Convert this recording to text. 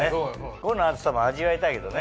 ５の厚さも味わいたいけどね。